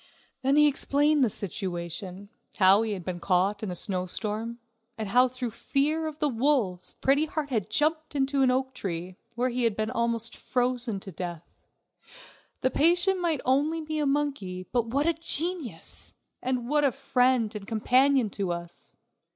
Then he explained the situation, how he had been caught in a snowstorm, and how through fear of the wolves Pretty Heart had jumped up in an oak tree, where he had been almost frozen to death. The patient might be only a monkey, but what a genius! and what a friend and companion to us!